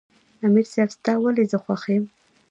" امیر صېب ستا ولې زۀ خوښ یم" ـ